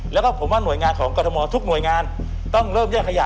แล้วก็ผมว่าหน่วยงานของกรทมทุกหน่วยงานต้องเริ่มแยกขยะ